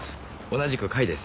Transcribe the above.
同じく甲斐です。